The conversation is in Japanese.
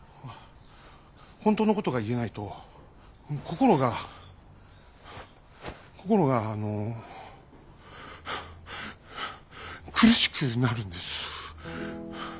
本当のことが言えないと心が心があのハアハア苦しくなるんです。